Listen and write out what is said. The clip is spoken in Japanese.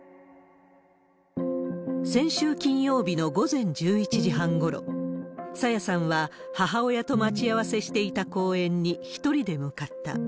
先週金曜日の午前１１時半ごろ、朝芽さんは母親と待ち合わせしていた公園に１人で向かった。